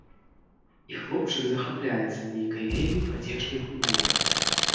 І хлопчык захапляецца нейкай вельмі пацешнай гульнёю.